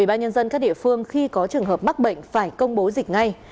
ubnd các địa phương khi có trường hợp mắc bệnh phải công bố dịch ngay